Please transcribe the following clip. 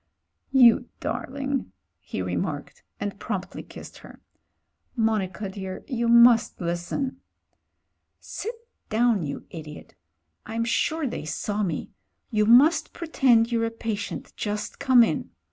"You darling," he remarked and promptly kissed her. "Monica, dear, you must listen " "Sit down, you idiot. I'm sure they saw me. You must pretend you're a patient just come in.